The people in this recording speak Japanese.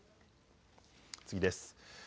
次です。